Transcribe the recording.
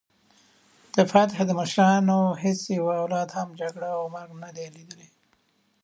د فتح د مشرانو هیڅ یوه اولاد هم جګړه او مرګ نه دی لیدلی.